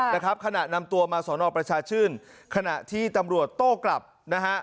นะครับขณะนำตัวมาสอนอประชาชื่นขณะที่ตำรวจโต้กลับนะฮะ